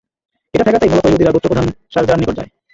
এটা ঠেকাতেই মূলত ইহুদীরা গোত্রপ্রধান শারযার নিকট যায়।